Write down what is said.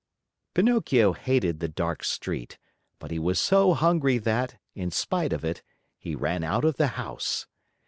Pinocchio hated the dark street, but he was so hungry that, in spite of it, he ran out of the house.